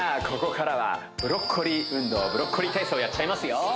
ここからはブロッコリー運動ブロッコリー体操やっちゃいますよ